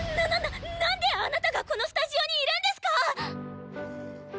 何でアナタがこのスタジオにいるんですか